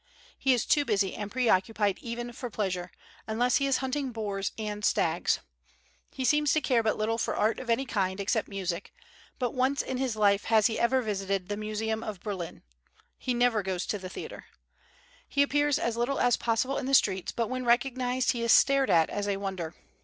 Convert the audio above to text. He is too busy and preoccupied even for pleasure, unless he is hunting boars and stags. He seems to care but little for art of any kind, except music; but once in his life has he ever visited the Museum of Berlin; he never goes to the theatre. He appears as little as possible in the streets, but when recognized he is stared at as a wonder.